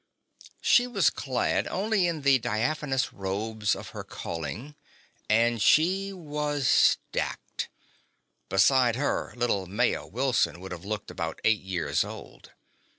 She was clad only in the diaphanous robes of her calling, and she was stacked. Beside her, little Maya Wilson would have looked about eight years old.